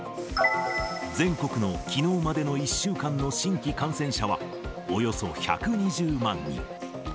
全国のきのうまでの１週間の新規感染者はおよそ１２０万人。